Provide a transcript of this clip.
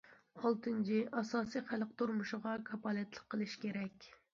ئالتىنچى، ئاساسىي خەلق تۇرمۇشىغا كاپالەتلىك قىلىش كېرەك.